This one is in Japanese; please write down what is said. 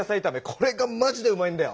これがマジでうまいんだよ。